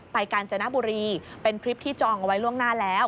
ไปกันจะหน้าบุรีเป็นคลิปที่จองไว้ล่วงหน้าแล้ว